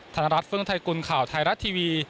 นรัฐฟึ่งไทยกุลข่าวไทยรัฐทีวี